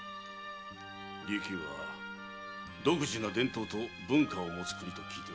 琉球は独自の伝統と文化を持つ国と聞いておる。